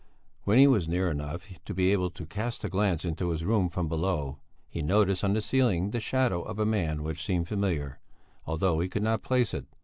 When he was near enough to be able to cast a glance into his room from below, he noticed on the ceiling the shadow of a man which seemed familiar, although he could not place it.